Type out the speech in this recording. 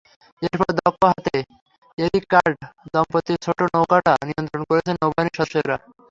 এরপর দক্ষ হাতে এরিক-কার্লট দম্পতির ছোট্ট নৌকাটা নিয়ন্ত্রণ করেছেন নৌবাহিনীর সদস্যরা।